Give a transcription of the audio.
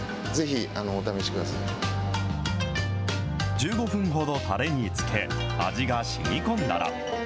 １５分ほどたれにつけ、味がしみこんだら。